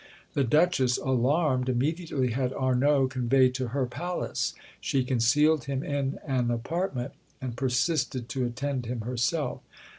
The duchess, alarmed, immediately had Arnauld conveyed to her palace. She concealed him in an apartment, and persisted to attend him herself.